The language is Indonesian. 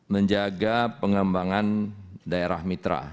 menjaga pengembangan daerah mitra